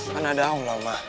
kan ada allah ma